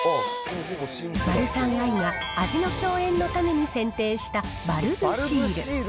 マルサンアイが味の饗宴のために選定したバルブシール。